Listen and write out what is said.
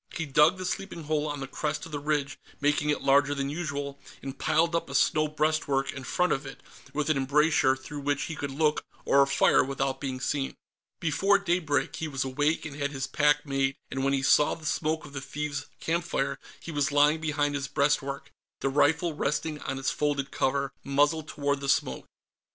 He dug the sleeping hole on the crest of the ridge, making it larger than usual, and piled up a snow breastwork in front of it, with an embrasure through which he could look or fire without being seen. Before daybreak, he was awake and had his pack made, and when he saw the smoke of the thieves' campfire, he was lying behind his breastwork, the rifle resting on its folded cover, muzzle toward the smoke.